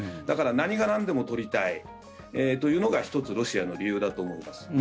だから何がなんでも取りたいというのが１つ、ロシアの理由だと思います。